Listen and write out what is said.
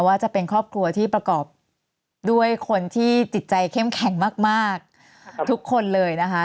ว่าจะเป็นครอบครัวที่ประกอบด้วยคนที่จิตใจเข้มแข็งมากทุกคนเลยนะคะ